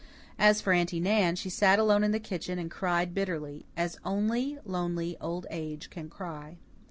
As for Aunty Nan, she sat alone in the kitchen, and cried bitterly, as only lonely old age can cry.